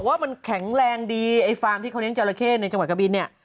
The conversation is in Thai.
ว่ามันแข็งแรงดีไอ้ฟาร์มที่เขาเลี้ยจราเข้ในจังหวัดกะบินเนี่ย